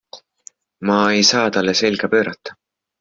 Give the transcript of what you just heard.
Ma ei saa talle selga pöörata.